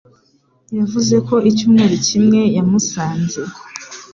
Yavuze ko icyumweru kimwe yamusanze.